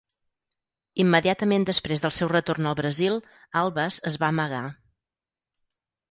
Immediatament després del seu retorn al Brasil, Alves es va amagar.